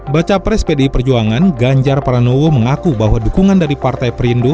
baca pres pdi perjuangan ganjar pranowo mengaku bahwa dukungan dari partai perindo